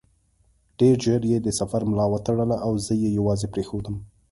ډېر ژر یې د سفر ملا وتړله او زه یې یوازې پرېښودم.